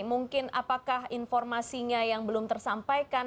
mungkin apakah informasinya yang belum tersampaikan